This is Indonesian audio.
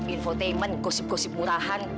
infotainment gosip gosip murahan